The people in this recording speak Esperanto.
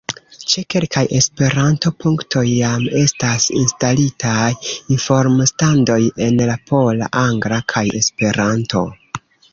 Ĉe kelkaj Esperanto-punktoj jam estas instalitaj informstandoj en la pola, angla kaj Esperanto.